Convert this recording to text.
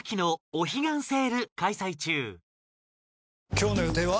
今日の予定は？